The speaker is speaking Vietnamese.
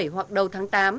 hoặc đầu tháng tám